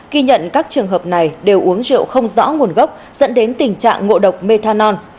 khi nhận các trường hợp này đều uống rượu không rõ nguồn gốc dẫn đến tình trạng ngộ độc methanol